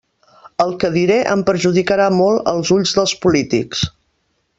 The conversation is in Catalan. El que diré em perjudicarà molt als ulls dels polítics.